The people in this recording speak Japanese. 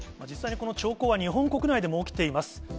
実際にこの兆候は日本国内でも起きています。